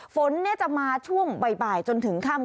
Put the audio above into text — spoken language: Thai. ฝนจะมาช่วงบ่ายจนถึงค่ำ